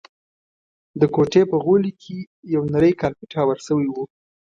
د کوټې په غولي کي یو نری کارپېټ هوار شوی وو.